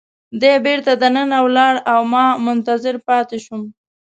دی بیرته دننه ولاړ او ما منتظر پاتې شوم.